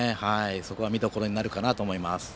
そこは見どころになるかなと思います。